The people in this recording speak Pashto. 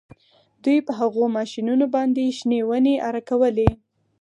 دوی په هغو ماشینونو باندې شنې ونې اره کولې